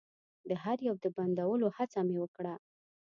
د هر يو د بندولو هڅه مې وکړه.